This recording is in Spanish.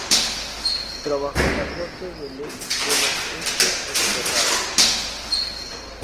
Trabajó en la corte de los Este en Ferrara.